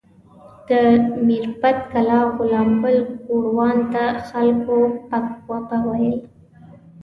د میربت کلا غلام ګل ګوروان ته خلکو پک غوبه ویل.